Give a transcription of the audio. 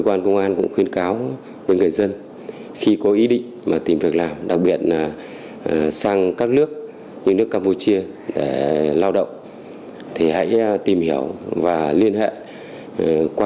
cơ quan công an cũng khuyên cáo với người dân khi có ý định tìm việc làm đặc biệt là sang các nước như nước campuchia để tránh tình trạng khi sang campuchia lao động như một số trường hợp vừa qua